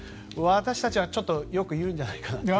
私たちはよく言うんじゃないかなと。